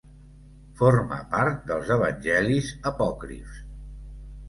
Forma part dels Evangelis apòcrifs.